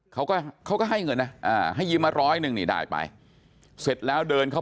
เขาก็เขาก็ให้เงินนะอ่าให้ยืมมาร้อยหนึ่งนี่ได้ไปเสร็จแล้วเดินเขา